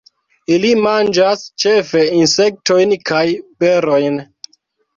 Ili manĝas ĉefe insektojn kaj berojn.